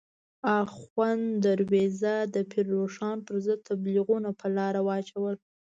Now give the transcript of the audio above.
اخوند درویزه د پیر روښان پر ضد تبلیغونه په لاره واچول.